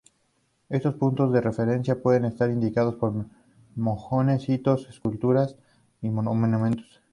Estos puntos de referencia pueden estar indicados por mojones, hitos, esculturas o monumentos.